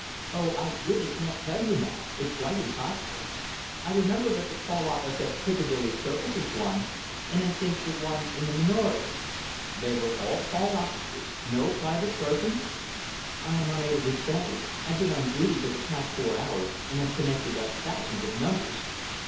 "Oh, I really can't tell you now. It's quite impossible. I remember that the call office at Piccadilly Circus was one, and I think the one in the Minories." "They were all call offices no private persons?" "I'm unable to say. I've been on duty for the past four hours, and have connected up thousands of numbers."